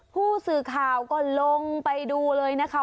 ผู้สื่อข่าวก็ลงไปดูเลยนะคะ